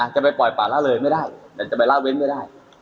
จะไปปล่อยป่าละเลยไม่ได้แต่จะไปละเว้นไม่ได้